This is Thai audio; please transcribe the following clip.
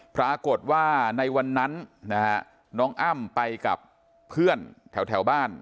ปรากฏว่าในวันนั้นนะฮะน้องอ้ำไปกับเพื่อนแถวบ้าน